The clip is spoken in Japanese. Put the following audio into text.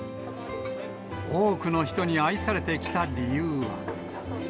多くの人に愛されてきた理由は。